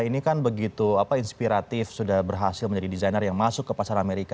ini kan begitu inspiratif sudah berhasil menjadi desainer yang masuk ke pasar amerika